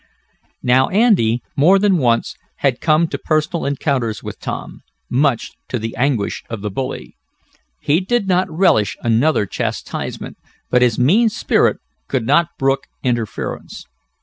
Now Andy, more than once, had come to personal encounters with Tom, much to the anguish of the bully. He did not relish another chastisement, but his mean spirit could not brook interference.